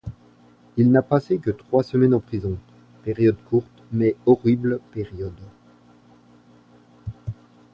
Il n’a passé que trois semaines en prison, période courte mais horrible période.